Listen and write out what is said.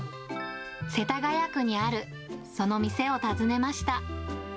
世田谷区にある、その店を訪ねました。